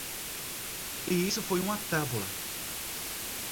E isso foi uma tabola.